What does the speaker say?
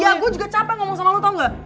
ya gue juga capek ngomong sama lo tau ga